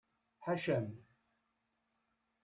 Ḥaca-m!